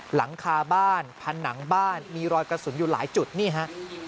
หลังคาบ้านผนังบ้านมีรอยกระสุนอยู่หลายจุดนี่ฮะ